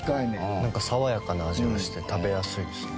なんか爽やかな味がして食べやすいですね。